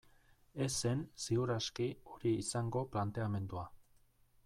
Ez zen, ziur aski, hori izango planteamendua.